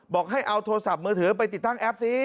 บอกให้เอาโทรศัพท์มือถือไปติดตั้งแอปซิ